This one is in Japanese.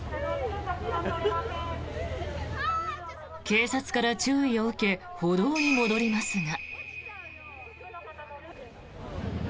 警察から注意を受け歩道に戻りますが。